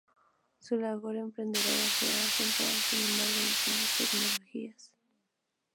Su labor emprendedora se ha centrado, sin embargo, en las nuevas tecnologías.